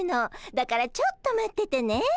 だからちょっと待っててね。